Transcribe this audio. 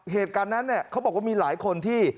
เหตุการณ์นั้นเนี่ยเขาบอกว่ามีหลายคนที่